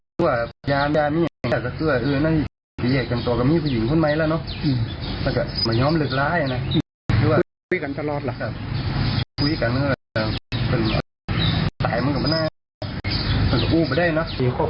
จะชดจะชอบจะใช้ผมเนี่ยไม่ได้เจอหน้าไม่ได้นอนต่อกันไม่ได้มีสังคมเห็นนะครับ